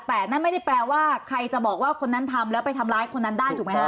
แต่นั่นไม่ได้แปลว่าใครจะบอกว่าคนนั้นทำแล้วไปทำร้ายคนนั้นได้ถูกไหมฮะ